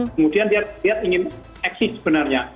kemudian dia ingin eksis sebenarnya